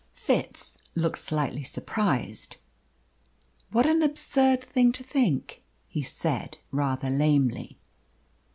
Fitz looked slightly surprised. "What an absurd thing to think!" he said rather lamely.